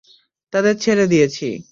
তাদের ছেড়ে দিয়েছি।